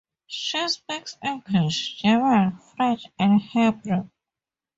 She speaks English, German, French, and Hebrew.